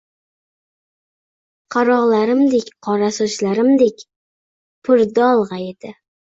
Qarog’larimdek qora, sochlarimdek purdolg’a edi.